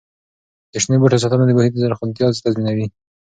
د شنو بوټو ساتنه د محیط زرغونتیا تضمینوي.